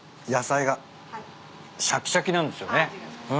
野菜がシャキシャキなんですよね。